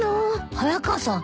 早川さん